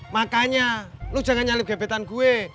makanya lu jangan nyalip gebetan gue